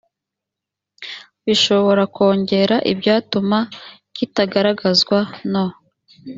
bishobora kongera ibyatuma kitagaragazwa no